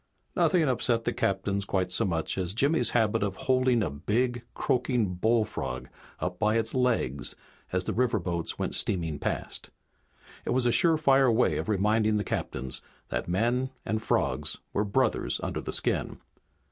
Nothing upset the captains quite so much as Jimmy's habit of holding a big, croaking bullfrog up by its legs as the riverboats went steaming past. It was a surefire way of reminding the captains that men and frogs were brothers under the skin.